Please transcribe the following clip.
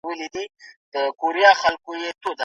ارام ذهن مو د ژوند له هر ډول بې ځایه اندیښنو لري کوي.